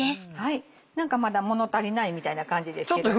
何かまだもの足りないみたいな感じですけどね。